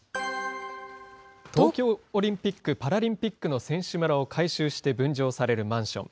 東京オリンピック・パラリンピックの選手村を改修して分譲されるマンション。